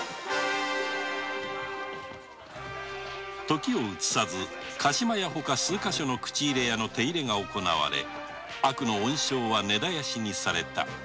時を移さず加島屋の外数個所の口入れ屋の手入れが行なわれ悪の温床は根絶やしにされた。